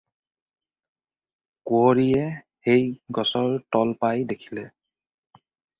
কুঁৱৰীয়ে সেই গছৰ তল পাই দেখিলে।